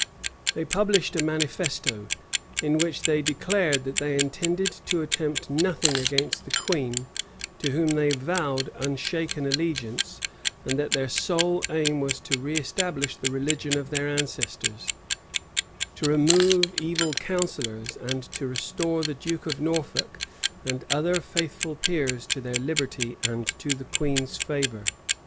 They published a manifesto, in which they declared that they intended to attempt nothing against the queen, to whom they vowed unshaken allegiance: and that their sole aim was to reëstablish the religion of their ancestors, to remove evil counsellors, and to restore the duke of Norfolk and other faithful peers to their liberty and to the queen's favor.